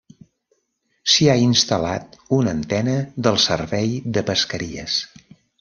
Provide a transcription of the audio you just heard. S'hi ha instal·lat una antena del servei de pesqueries.